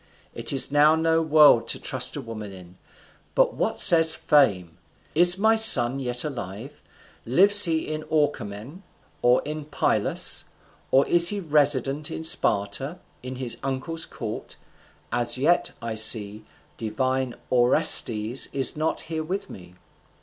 It is now no world to trust a woman in. But what says fame? is my son yet alive? lives he in Orchomen, or in Pylus, or is he resident in Sparta, in his uncle's court? As yet, I see, divine Orestes is not here with me."